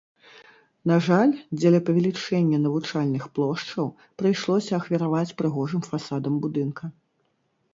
На жаль, дзеля павелічэння навучальных плошчаў прыйшлося ахвяраваць прыгожым фасадам будынка.